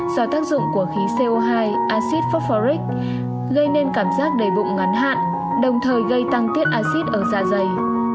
do tác dụng của khí co hai acid foxforic gây nên cảm giác đầy bụng ngắn hạn đồng thời gây tăng tiết acid ở da dày